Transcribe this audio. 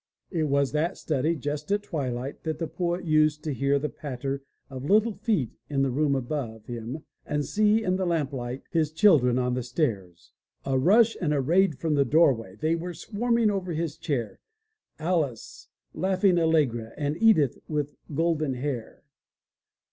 It was in that study just at twilight that the poet used to hear the patter of little feet in the room above him and see, in the lamplight, his children on the stairs. A rush and a raid from the doorway, they were swarming over his chair — Alice, laughing AUegra and "Edith with golden hair."